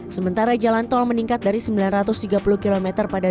sementara jalan tol meningkat dari sembilan ratus tiga puluh km